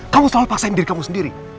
kamu selalu memaksakan diri kamu sendiri